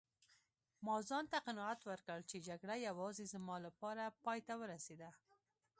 ما ځانته قناعت ورکړ چي جګړه یوازې زما لپاره پایته ورسیده.